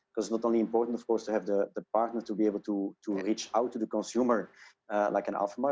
karena tidak hanya penting untuk memiliki partner yang dapat mencapai para konsumen seperti alphamart